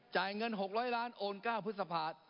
เงิน๖๐๐ล้านโอน๙พฤษภา